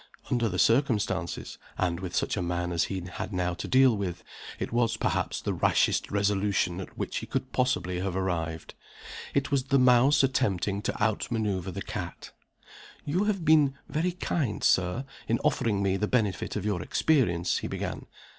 Under the circumstances (and with such a man as he had now to deal with), it was perhaps the rashest resolution at which he could possibly have arrived it was the mouse attempting to outmanoeuvre the cat. "You have been very kind, Sir, in offering me the benefit of your experience," he began.